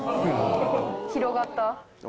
広がった？